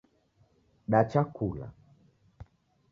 Dacha kula